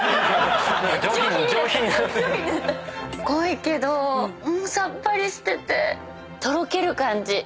濃いけどさっぱりしててとろける感じ。